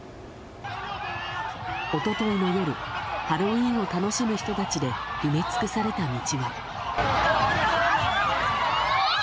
一昨日の夜ハロウィーンを楽しむ人たちで埋め尽くされた道は。